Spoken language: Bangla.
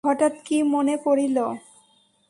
হঠাৎ কী মনে পড়িল।